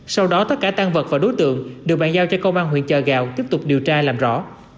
sau đó tất cả tan vật và đối tượng đều bàn giao cho công an huyện chợ gạo tiếp tục điều tra làm rõ